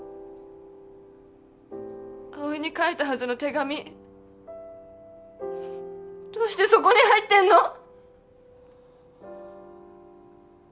葵に書いたはずの手紙どうしてそこに入ってんの？